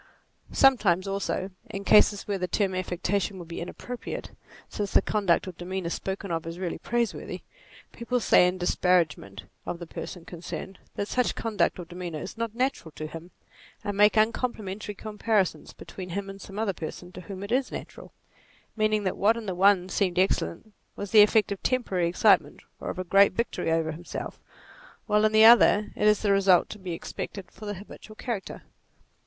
Sometimes also, in cases where the term affectation would be inappropriate, since the conduct or demeanour spoken of is really praiseworthy, people say in dis paragement of the person concerned, that such conduct or demeanour is not natural to him ; and make uncom plimentary comparisons between him and some other person, to whom it is natural : meaning that what in the one seemed excellent was the effect of temporary excitement, or of a great victory over himself, while in the other it is the result to be expected from the 62 NATURE habitual character.